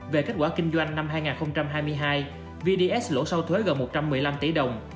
về kết quả kinh doanh năm hai nghìn hai mươi hai vds lỗ sau thuế gần một trăm một mươi năm tỷ đồng